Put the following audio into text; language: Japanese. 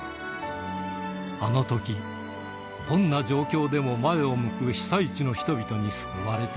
あのとき、どんな状況でも前を向く被災地の人々に救われた。